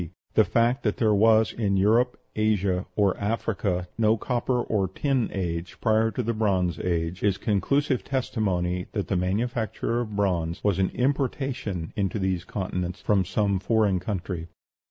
The fact that there was in Europe, Asia, or Africa no copper or tin age prior to the Bronze Age, is conclusive testimony that the manufacture of bronze was an importation into those continents from some foreign country.